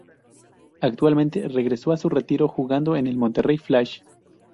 Actualmente regresó de su retiro jugando en el Monterrey Flash.